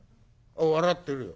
笑ってるよ。